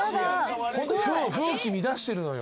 ホント風紀乱してるのよ。